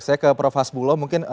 saya ke prof hasbulo mungkin